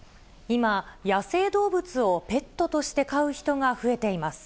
今、野生動物をペットとして飼う人が増えています。